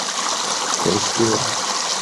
konsideri